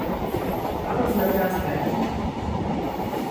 Alt znamená starý.